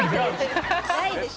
ないでしょ。